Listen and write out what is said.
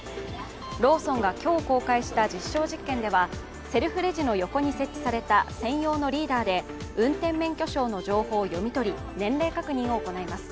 ローソンが今日公開した実証実験ではセルフレジの横に設置された専用のリーダーで運転免許証の情報を読み取り年齢確認を行います。